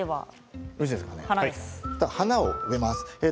花を植えます。